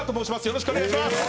よろしくお願いします。